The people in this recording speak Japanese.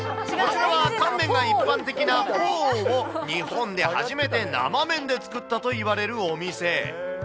乾麺が一般的なフォーを日本で初めて生麺で作ったといわれるお店。